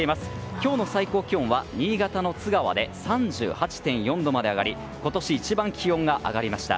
今日の最高気温は新潟の津川で３８．４度まで上がり今年一番気温が上がりました。